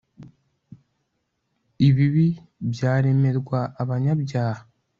ibibi byaremerwa abanyabyaha